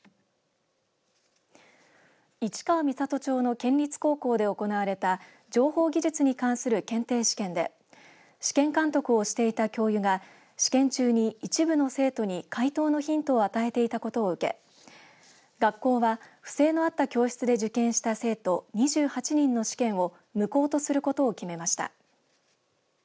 市川三郷町の県立高校で行われた情報技術に関する検定試験で試験監督をしていた教諭が試験中に一部の生徒に回答のヒントを与えていたことを受け学校は不正のあった教室で受験した生徒２８人の試験を無効とすることを決めました。